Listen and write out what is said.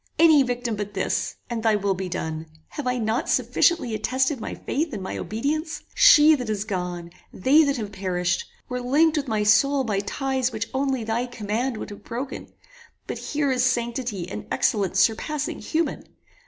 Any victim but this, and thy will be done. Have I not sufficiently attested my faith and my obedience? She that is gone, they that have perished, were linked with my soul by ties which only thy command would have broken; but here is sanctity and excellence surpassing human.